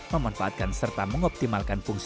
memanfaatkan serta mengoptimalkan fungsi